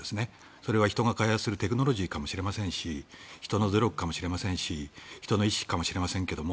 それは人が開発するテクノロジーかもしれませんし人の努力かもしれませんし人の意識かもしれませんけど